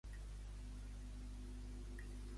Advoquen els socialistes al dret a manifestar-se un?